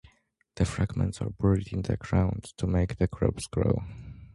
The fragments are buried in the ground to make the crops grow.